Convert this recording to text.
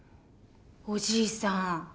おじいさん。